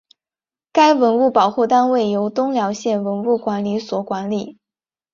该文物保护单位由东辽县文物管理所管理。